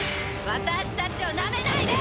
私たちをなめないで！